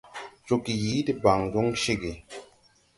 Joge yii debaŋ jɔŋ cege.